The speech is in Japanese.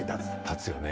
立つよね。